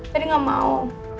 tadi gak mau